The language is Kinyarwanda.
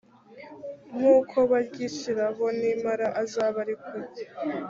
nkuko barya isirabo n impara azabe ariko urya